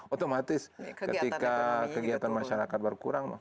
otomatis ketika kegiatan masyarakat berkurang